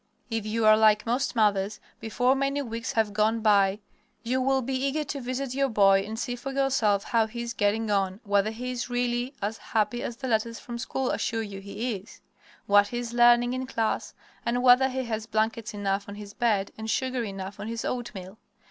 If you are like most mothers, before many weeks have gone by you will be eager to visit your boy and see for yourself how he is getting on; whether he is really as happy as the letters from school assure you he is; what he is learning in class, and whether he has blankets enough on his bed and sugar enough on his oatmeal.